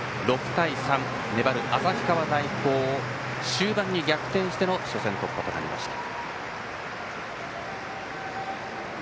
６対３、粘る旭川大高を終盤に逆転しての初戦突破となりました。